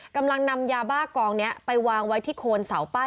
กำลังนำยาบ้ากองนี้ไปวางไว้ที่โคนเสาป้าย